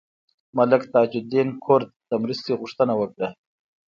ملک تاج الدین کرد د مرستې غوښتنه وکړه.